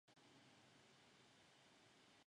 抚仙粘体虫为粘体科粘体虫属的动物。